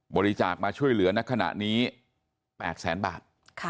บริจาคมาช่วยเหลือในขณะนี้๘แสนบาท